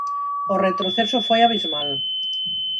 O retroceso foi abismal.